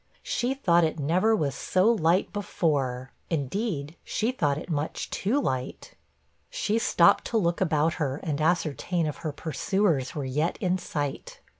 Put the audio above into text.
She thought it never was so light before; indeed, she thought it much too light. She stopped to look about her, and ascertain if her pursuers were yet in sight.